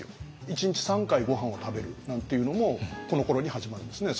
１日３回ごはんを食べるなんていうのもこのころに始まるんですね。